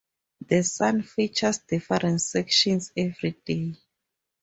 "The Sun" features different sections every day.